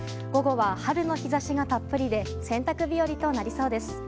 午後は春の日差しがたっぷりで洗濯日和となりそうです。